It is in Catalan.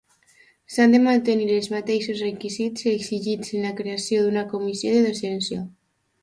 S'han de mantenir els mateixos requisits exigits en la creació d'una comissió de docència.